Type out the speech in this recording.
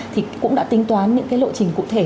thì cũng đã tính toán những cái lộ trình cụ thể